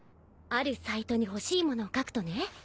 あるサイトに欲しいものを書くとね